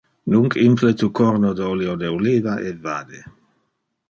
Nunc imple tu corno de oleo de oliva e vade.